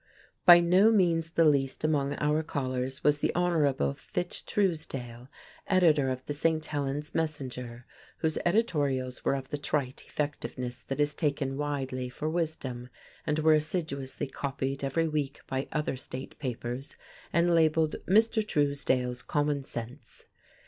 By no means the least among our callers was the Hon. Fitch Truesdale, editor of the St. Helen's Messenger, whose editorials were of the trite effectiveness that is taken widely for wisdom, and were assiduously copied every week by other state papers and labeled "Mr. Truesdale's Common Sense."